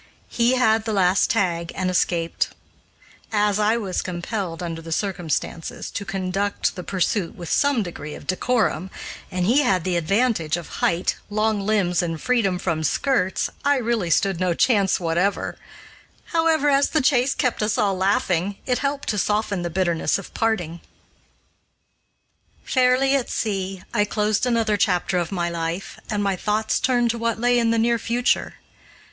He had the last "tag" and escaped. As I was compelled, under the circumstances, to conduct the pursuit with some degree of decorum, and he had the advantage of height, long limbs, and freedom from skirts, I really stood no chance whatever. However, as the chase kept us all laughing, it helped to soften the bitterness of parting. [Illustration: H.B. Stanton] [Illustration: MRS. STANTON AND DAUGHTER, 1857.] Fairly at sea, I closed another chapter of my life, and my thoughts turned to what lay in the near future.